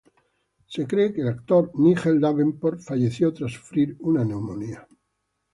Se cree que el actor Nigel Davenport falleció tras sufrir una neumonía.